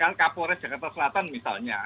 kan kapolres jakarta selatan misalnya